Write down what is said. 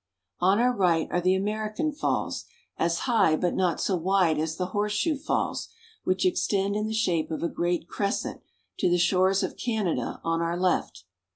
On our right are the American Falls, as high but not so wide as the Horseshoe Falls, which extend, in the shape of a great crescent, to the shores of Canada, on our left.